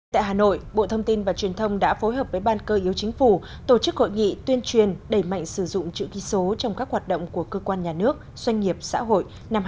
tại hà nội bộ thông tin và truyền thông đã phối hợp với ban cơ yếu chính phủ tổ chức hội nghị tuyên truyền đẩy mạnh sử dụng chữ ký số trong các hoạt động của cơ quan nhà nước doanh nghiệp xã hội năm hai nghìn hai mươi ba